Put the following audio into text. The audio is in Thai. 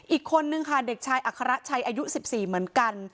อีกคนนึงค่ะเด็กชายอัคระชัยอายุ๑๔เหมือนกัน